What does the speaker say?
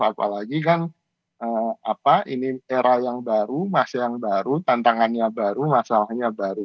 apalagi kan ini era yang baru masa yang baru tantangannya baru masalahnya baru